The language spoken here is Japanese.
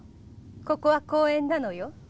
ここは公園なのよ。